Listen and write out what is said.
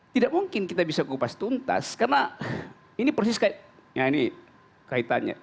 tidak mungkin kita bisa kupas tuntas karena ini persis kayak ini kaitannya